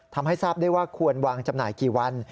ทำให้ทราบได้ว่าควรวางจำหน่ายกี่วัน